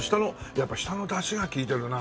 やっぱ下のだしが利いてるな。